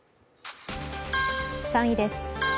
３位です。